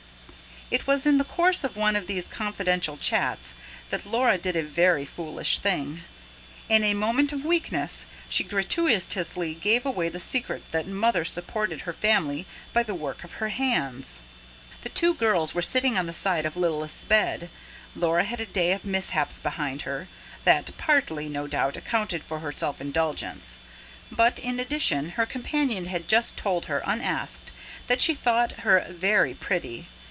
It was in the course of one of these confidential chats that Laura did a very foolish thing. In a moment of weakness, she gratuitously gave away the secret that Mother supported her family by the work of her hands. The two girls were sitting on the side of Lilith's bed. Laura had a day of mishaps behind her that partly, no doubt, accounted for her self indulgence. But, in addition, her companion had just told her, unasked, that she thought her "very pretty".